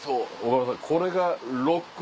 岡村さん。